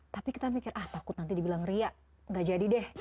tapi kita berpikir ah takut nanti dibilang riak nggak jadi deh